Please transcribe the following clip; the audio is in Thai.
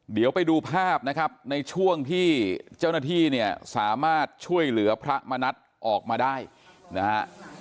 เดี๋ยวไปดูภาพนะครับในช่วงที่เจ้าหน้าที่เนี่ยสามารถช่วยเหลือพระมณัฐออกมาได้นะฮะ